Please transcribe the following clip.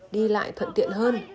đi lại thuận tiện hơn